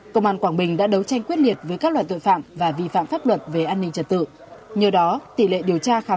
công an quảng bình đã đấu tranh quyết liệt với các loại tội phạm và vi phạm pháp luật về an ninh trật tự